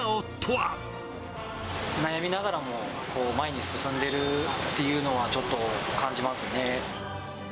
悩みながらも、前に進んでるっていうのは、ちょっと感じますね。